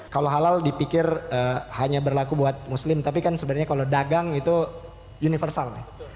kalau halal dipikir hanya berlaku buat muslim tapi kan sebenarnya kalau dagang itu universal